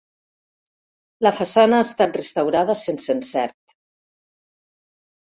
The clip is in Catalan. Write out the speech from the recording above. La façana ha estat restaurada sense encert.